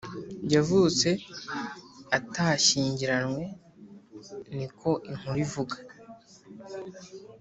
yavutse atashyingiranywe niko inkuru ivuga